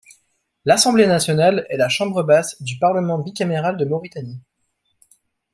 L'Assemblée nationale est la chambre basse du parlement bicaméral de Mauritanie.